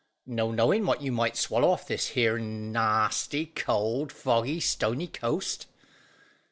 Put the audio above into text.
"No knowing what you might swallow off this here nasty, cold, foggy, stony coast."